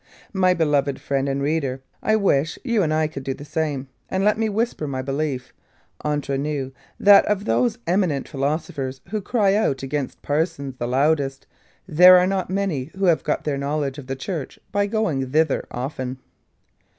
My beloved friend and reader, I wish you and I could do the same: and let me whisper my belief, ENTRE NOUS that of those eminent philosophers who cry out against parsons the loudest, there are not many who have got their knowledge of the church by going thither often.